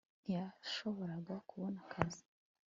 ntiyashoboraga kubona akazi